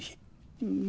うん。